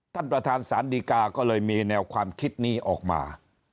ท่านประธานสารดีกาก็เลยมีแนวความคิดนี้ออกมา